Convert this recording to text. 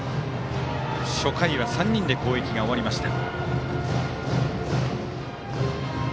初回は３人で攻撃が終わりました。